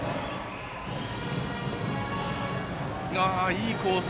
いいコース